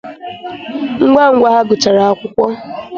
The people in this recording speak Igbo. ngwangwa ha gụchara akwụkwọ.